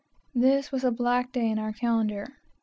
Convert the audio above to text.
This was a black day in our calendar.